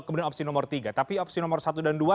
kemudian opsi nomor tiga tapi opsi nomor satu dan dua